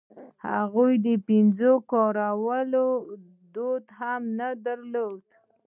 خلکو د پنجو کارولو دود هم نه درلود.